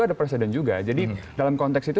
ada presiden juga jadi dalam konteks itu